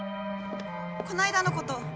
この間のこと。